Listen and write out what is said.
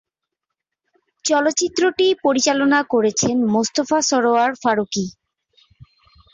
চলচ্চিত্রটি পরিচালনা করেছেন মোস্তফা সরয়ার ফারুকী।